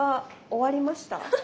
終わりました？